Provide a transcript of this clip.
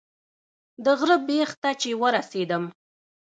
د غره بیخ ته چې ورسېدم.